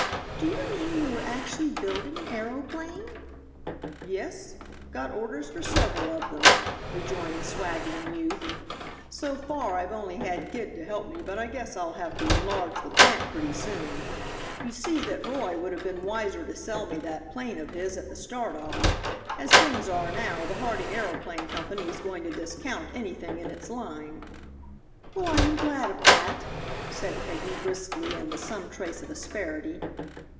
"Do you mean you are actually building an aeroplane?" "Yes. Got orders for several of them," rejoined the swaggering youth. "So far I've only had Gid to help me, but I guess I'll have to enlarge the plant pretty soon. You see that Roy would have been wiser to sell me that 'plane of his at the start off. As things are now, the Harding Aeroplane Company is going to discount anything in its line." "Well, I am glad of that," said Peggy, briskly, and with some trace of asperity.